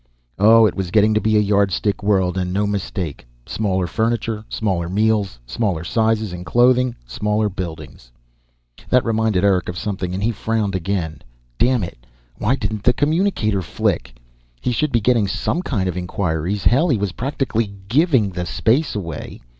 Oh, it was getting to be a Yardstick world, and no mistake. Smaller furniture, smaller meals, smaller sizes in clothing, smaller buildings That reminded Eric of something and he frowned again. Dammit, why didn't the communicator flick? He should be getting some kind of inquiries. Hell, he was practically giving the space away!